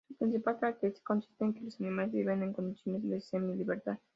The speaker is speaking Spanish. Su principal característica consiste en que los animales viven en condiciones de semi libertad.